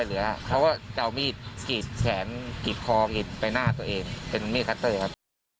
เหลือเขาก็จะเอามีดกรีดแขนกรีดคอกรีดใบหน้าตัวเองเป็นมีดคัตเตอร์ครับ